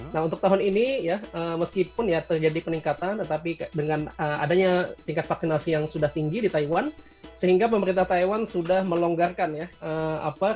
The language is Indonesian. nah untuk tahun ini ya meskipun ya terjadi peningkatan tetapi dengan adanya tingkat vaksinasi yang sudah tinggi di taiwan sehingga pemerintah taiwan sudah melonggarkan ya regulasi untuk penduduknya termasuk kepada wni ya